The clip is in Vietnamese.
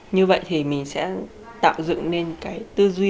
như vậy thì mình sẽ tạo dựng nên cái tư duy